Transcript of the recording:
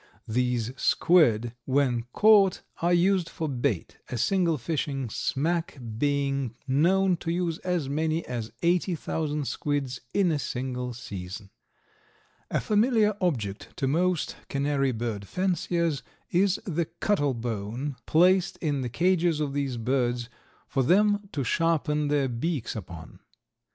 These squid, when caught, are used for bait, a single fishing smack being known to use as many as eighty thousand squids in a single season. A familiar object to most canary bird fanciers is the cuttle bone placed in the cages of these birds for them to sharpen their beaks upon.